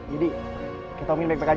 jadi kita minta mereka kembali aja